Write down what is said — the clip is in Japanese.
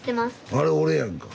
あれ俺やんか。